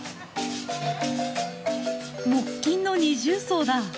木琴の二重奏だ。